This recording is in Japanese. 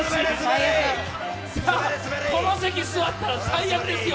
この席に座ったら最悪ですよ。